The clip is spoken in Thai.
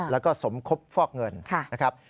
แล้วก็สมคบฟอกเงินนะครับ